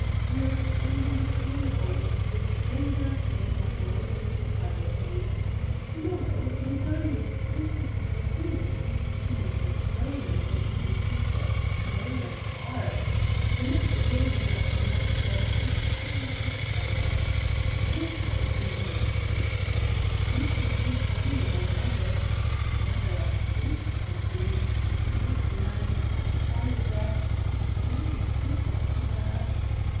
We are spending the carnival with the crême de la crême of Roman society. To morrow we dine with Princess Vulpini she was a Truyn and is the sister of Truyn of R. The next day we have theatricals, etc., etc. Zinka is an immense success. Nicki Sempaly among others the brother of Prince Sempaly, the great landed proprietor is very attentive to her...."